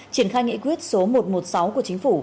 triển khai nghị quyết số một trăm một mươi sáu của chính phủ